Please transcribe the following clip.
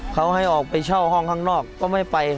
เขาให้ออกไปเช่าห้องข้างนอกก็ไม่ไป